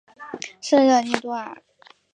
圣热涅多尔。